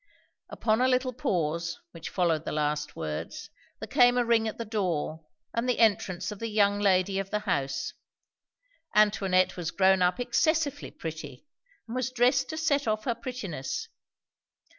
Upon a little pause which followed the last words, there came a ring at the door and the entrance of the young lady of the house. Antoinette was grown up excessively pretty, and was dressed to set off her prettiness.